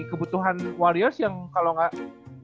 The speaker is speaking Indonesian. kebutuhan warriors yang kalau misalnya di